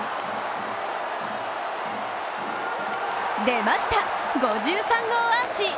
出ました、５３号アーチ。